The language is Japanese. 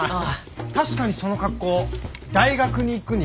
確かにその格好大学に行くにふさわしいな。